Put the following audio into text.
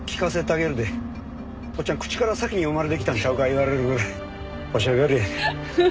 口から先に生まれてきたんちゃうか言われるぐらいおしゃべりやねん。